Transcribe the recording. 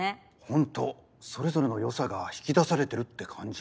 ホントそれぞれのよさが引き出されてるって感じ。